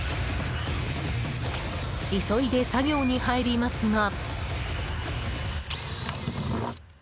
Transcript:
急いで作業に入りますが。